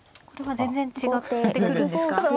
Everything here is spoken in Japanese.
これは全然違ってくるんですか。